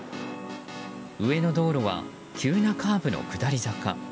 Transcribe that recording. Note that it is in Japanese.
上の道路は急なカーブの下り坂。